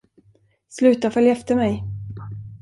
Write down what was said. Sluta följ efter mig.